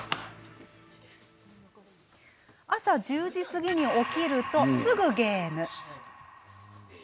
朝１０時過ぎに起きるとすぐゲーム。